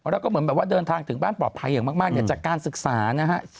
แล้วก็เหมือนเดินทางถึงบ้านปลอบภัยอย่างมากจากการศึกษานะฮะ